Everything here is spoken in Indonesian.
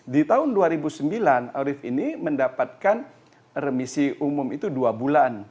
di tahun dua ribu sembilan orif ini mendapatkan remisi umum itu dua bulan